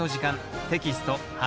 テキスト８